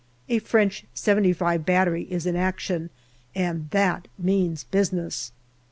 A French " 75 " battery is in action, and that means business.